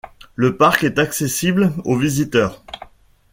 Le parc est accessible aux visiteurs.